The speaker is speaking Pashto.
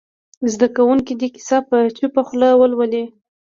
زده کوونکي دې کیسه په چوپه خوله ولولي.